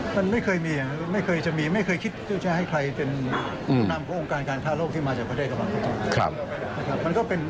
มันไม่เคยมีไม่เคยจะมีไม่เคยคิดจะให้ใครเป็นคุณธรรมขององค์การการฆ่าโลกที่มาจากประเทศกำลัง